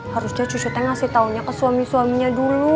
harusnya cucu tengah kasih taunya ke suami suaminya dulu